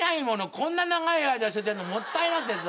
こんな長い間捨てちゃうのもったいなくてさ。